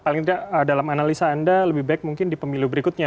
menurut analisa anda lebih baik mungkin di pemilu berikutnya